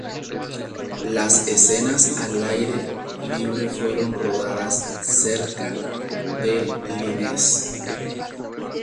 Las escenas al aire libre fueron rodadas cerca de Niles.